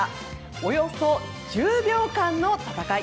およそ１０秒間の戦い。